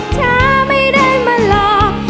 เธอไม่ได้มาหลอก